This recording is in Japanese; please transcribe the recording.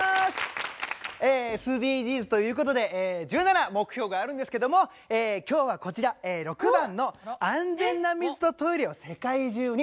ＳＤＧｓということで１７目標があるんですけども今日はこちら６番の「安全な水とトイレを世界中に」。